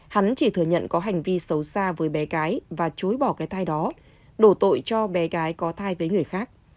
hắn chỉ thừa nhận có hành vi xấu xa với bé cái và chối bỏ cái thai đó đổ tội cho bé gái có thai với người khác